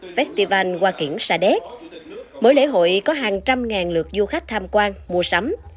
festival hoa kiển xa đét mỗi lễ hội có hàng trăm ngàn lượt du khách tham quan mua sắm